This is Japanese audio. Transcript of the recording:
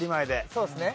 そうですね。